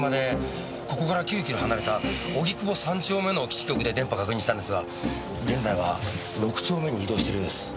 ここから９キロ離れた荻窪３丁目の基地局で電波確認したんですが現在は６丁目に移動しているようです。